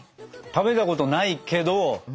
食べたことないけど。